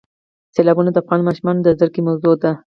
سیلابونه د افغان ماشومانو د زده کړې موضوع ده.